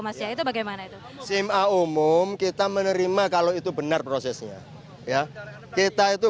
mas ya itu bagaimana itu sima umum kita menerima kalau itu benar prosesnya ya kita itu